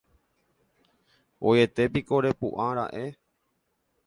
¡Voietépiko repu'ãra'e!